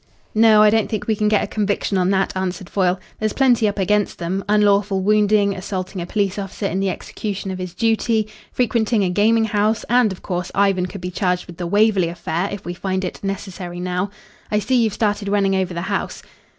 "No, I don't think we can get a conviction on that," answered Foyle. "There's plenty up against them unlawful wounding, assaulting a police officer in the execution of his duty, frequenting a gaming house, and, of course, Ivan could be charged with the Waverley affair if we find it necessary now. I see you've started running over the house."